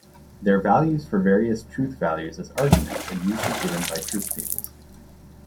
Their values for various truth-values as argument are usually given by truth tables.